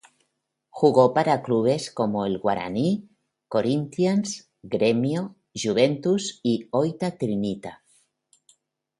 Jugó para clubes como el Guarani, Corinthians, Grêmio, Juventus y Oita Trinita.